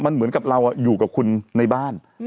มันเหมือนกับเราอยู่กับคุณในบ้าน